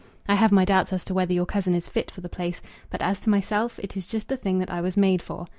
I have my doubts as to whether your cousin is fit for the place; but, as to myself, it is just the thing that I was made for.